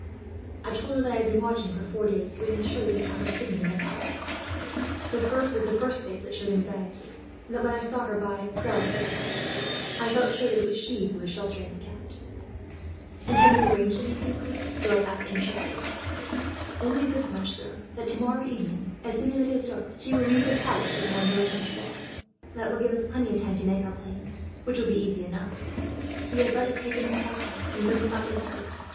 "I told her that I had been watching for four days, feeling sure that the count was hidden in the palace; but hers was the first face that showed anxiety, and that, when I saw her buying salve at the apothecary's, I felt sure that it was she who was sheltering the count." "And have you arranged anything, Pierre?" Philip asked anxiously. "Only this much, sir, that tomorrow evening, as soon as it is dark, she will leave the palace with Monsieur Francois. That will give us plenty of time to make our plans, which will be easy enough. We have but to take an apartment, and bring him up into it.